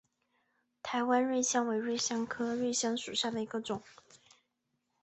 台湾瑞香为瑞香科瑞香属下的一个种。